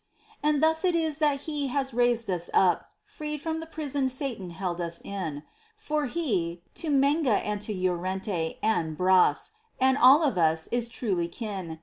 And thus it is that He has raised us up, Freed from the prison Satan held us in, For He, to Menga and to Llórente, And Bras, and all of us is truly kin.